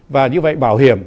và như vậy bảo hiểm